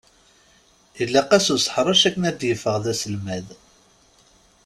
Ilaq-as useḥṛec akken ad d-yeffeɣ d aselmad!